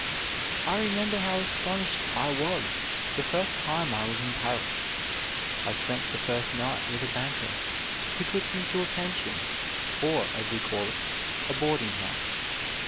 I remember how astonished I was the first time I was in Paris. I spent the first night with a banker, who took me to a pension, or, as we call it, a boarding house.